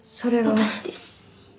私です。